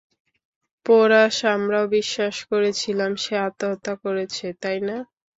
Porous, আমরাও বিশ্বাস করেছিলাম সে আত্মহত্যা করেছে, তাই না?